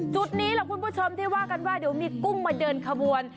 จุดนี้แหละคุณผู้ชมที่ว่ากันว่าเดี๋ยวมีกุ้งมาเดินขบวน